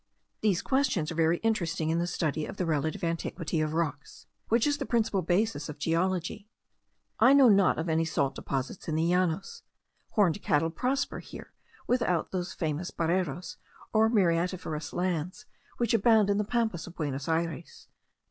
These questions are very interesting in the study of the relative antiquity of rocks, which is the principal basis of geology. I know not of any salt deposits in the Llanos. Horned cattle prosper here without those famous bareros, or muriatiferous lands, which abound in the Pampas of Buenos Ayres.